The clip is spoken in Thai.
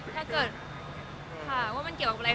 ถ้าเกิดถามว่ามันเกี่ยวกับอะไร